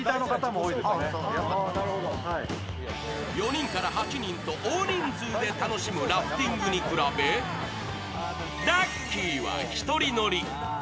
４人から８人と大人数で楽しむラフティングに比べダッキーは１人乗り。